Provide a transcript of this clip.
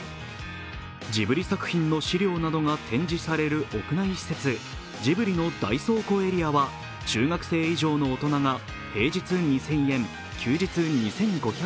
ジブリ作品の資料などが展示される屋内施設、ジブリの大倉庫エリアは中学生以上の大人が平日２０００円、休日２５００円。